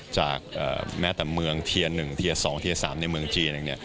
แม้แต่เมืองเทีย๑เทีย๒เทียร์๓ในเมืองจีน